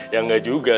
ya enggak juga